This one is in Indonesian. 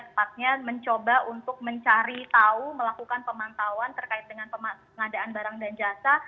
tepatnya mencoba untuk mencari tahu melakukan pemantauan terkait dengan pengadaan barang dan jasa